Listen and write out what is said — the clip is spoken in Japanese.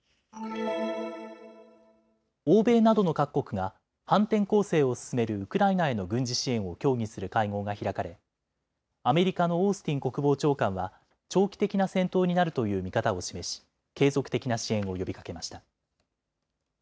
欧米などの各国が反転攻勢を進めるウクライナへの軍事支援を協議する会合が開かれ、アメリカのオースティン国防長官は長期的な戦闘になるという見方を示し継続的な支援を呼びかけました。